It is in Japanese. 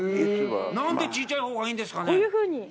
何で小さいほうがいいんですかね。